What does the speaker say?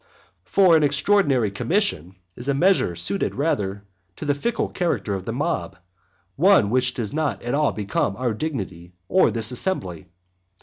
For an extraordinary commission is a measure suited rather to the fickle character of the mob, one which does not at all become our dignity or this assembly.